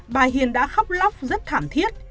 bà hiền đã khóc lóc rất thảm thiết